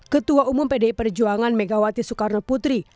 ketua umum pdi perjuangan megawati soekarno putri